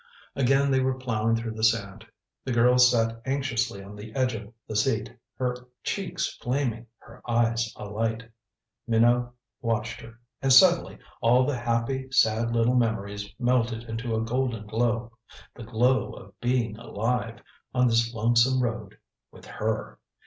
Again they were plowing through the sand. The girl sat anxiously on the edge of the seat, her cheeks flaming, her eyes alight. Minot watched her. And suddenly all the happy, sad little memories melted into a golden glow the glow of being alive on this lonesome road with her!